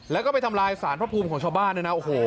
แล้วก็ไปทำลายสารพระภูมิของชาวบ้าน